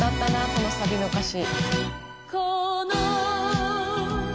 このサビの歌詞。